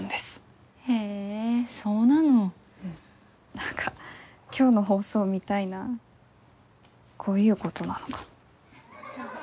何か今日の放送みたいなこういうことなのかも。